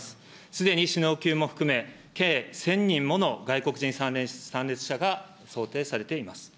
すでに首脳級も含め、計１０００人もの外国人参列者が想定されています。